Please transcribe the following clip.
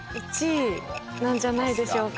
なんじゃないでしょうか？